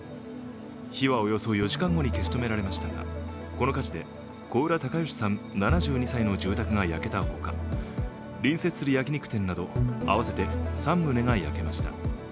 火はおよそ４時間後に消し止められましたが、この火事で小浦高義さん７２歳の住宅が焼けたほか隣接する焼き肉店など合わせて３棟が焼けました。